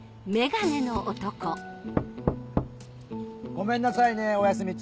ごめんなさいねお休み中。